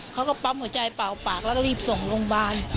เขาก็ปั๊มหัวใจเป่าปากแล้วก็รีบส่งโรงพยาบาล